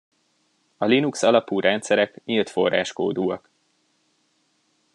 A Linux alapú rendszerek nyílt forráskódúak.